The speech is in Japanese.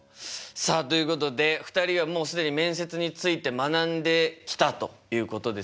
さあということで２人はもう既に面接について学んできたということですよね。